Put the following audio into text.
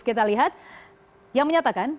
kita lihat yang menyatakan